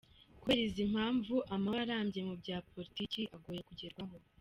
Kubera izi mpamvu, amahoro arambye mu bya politiki agoye kugerwaho!.